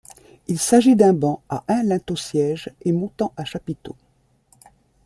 Il s'agit d'un banc à un linteau-siège et montants à chapiteau.